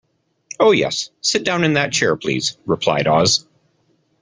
"Oh, yes; sit down in that chair, please," replied Oz.